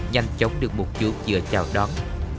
nhanh chóng được một chút giữa chào đón